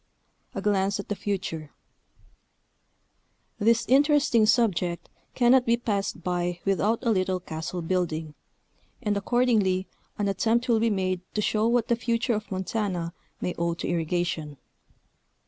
A GLANCE AT THE FUTURE. This interesting subject cannot be passed by without a little castle building, and accordingly an attempt will be made to show what the future of Montana may owe to irrigation.